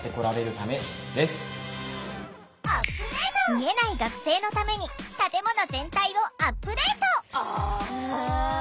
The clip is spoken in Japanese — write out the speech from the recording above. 見えない学生のために建物全体をアップデート。